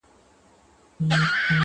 اول به کښېنوو د علم بې شماره وني,